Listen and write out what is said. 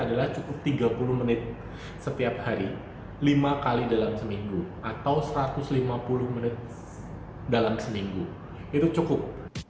adalah cukup tiga puluh menit setiap hari lima kali dalam seminggu atau satu ratus lima puluh menit dalam seminggu itu cukup